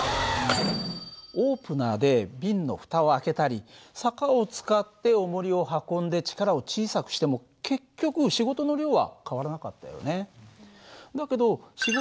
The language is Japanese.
オープナーで瓶の蓋を開けたり坂を使っておもりを運んで力を小さくしても結局仕事の量は変わらなかったよね。